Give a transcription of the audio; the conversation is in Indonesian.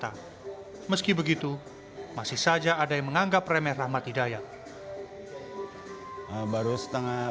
tapi bagi begitu masih saja ada yang menganggap remeh rahmat hidayah